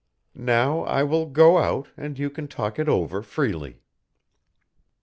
Now I will go out and you can talk it over freely."